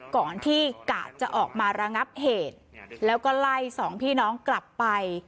ก่อนที่กะจะออกมาระงับเหตุแล้วก็ไล่สองพี่น้องกลับไป